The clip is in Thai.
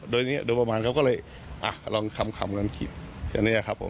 โดยนี้เดี๋ยวประมาณครับก็เลยลองคำกันคิดอย่างนี้ครับผม